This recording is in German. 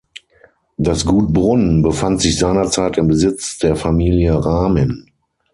Das Gut Brunn befand sich seinerzeit im Besitz der Familie Ramin.